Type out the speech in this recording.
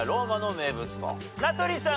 名取さん